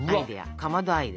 かまどアイデア。